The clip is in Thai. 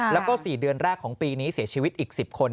แล้วก็๔เดือนแรกของปีนี้เสียชีวิตอีก๑๐คน